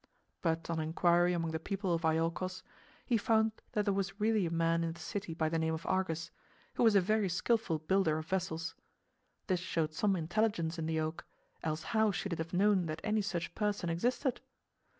But on inquiry among the people of Iolchos, he found that there was really a man in the city by the name of Argus, who was a very skilful builder of vessels. This showed some intelligence in the oak, else how should it have known that any such person existed?